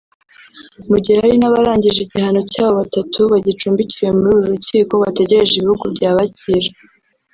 mu gihe hari n’abarangije igihano cyabo batatu bagicumbikiwe muri uru rukiko bategereje ibihugu byabakira